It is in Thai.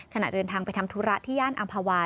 ขณะเดินทางไปทำธุระที่ย่านอำภาวา